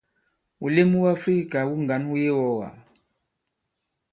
Wùlem wu Àfrikà wu ŋgǎn wu yebe i iwɔ̄ɔwàk.